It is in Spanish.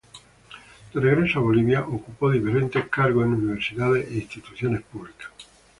De regreso a Bolivia ocupó diferentes cargos en universidades e instituciones públicas.